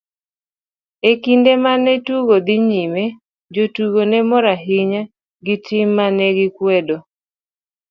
E kinde mane tugo dhi nyime, jotugo ne mor ahinya gi tim mane gikwedo.